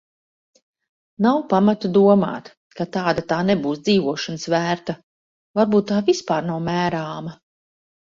Nav pamata domāt, ka tāda tā nebūs dzīvošanas vērta. Varbūt tā vispār nav mērāma.